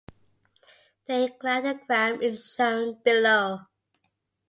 Their cladogram is shown below.